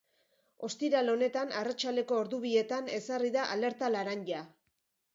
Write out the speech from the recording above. Ostiral honetan, arratsaldeko ordu bietan, ezarri da alerta laranja.